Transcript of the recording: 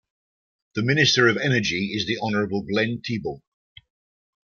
The Minister of Energy is the Honourable Glenn Thibeault.